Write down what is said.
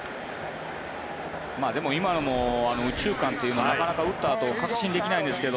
でも今の右中間というのはなかなか打ったあと確信できないんですけど。